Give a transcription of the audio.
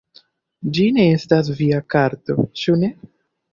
Ĝi ne estas via karto, ĉu ne?